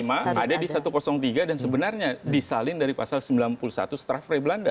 dua ratus lima ada di satu ratus tiga dan sebenarnya disalin dari pasal sembilan puluh satu straffre belanda